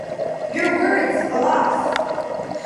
Your words, alas!